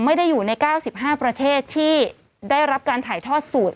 ไม่ได้อยู่ใน๙๕ประเทศที่ได้รับการถ่ายทอดสูตร